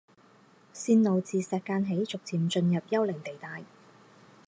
线路自石涧起逐渐进入丘陵地带。